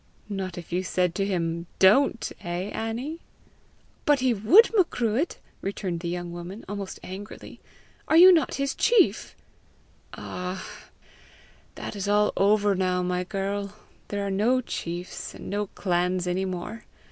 "Not if you said to him, DON'T! eh, Annie?" "But he would, Macruadh!" returned the young woman, almost angrily. "Are not you his chief?" "Ah, that is all over now, my girl! There are no chiefs, and no clans any more!